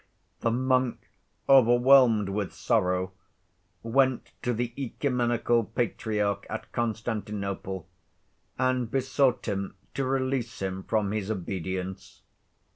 The monk, overwhelmed with sorrow, went to the Œcumenical Patriarch at Constantinople and besought him to release him from his obedience.